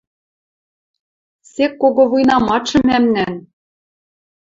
Сек кого вуйнаматшы мӓмнӓн.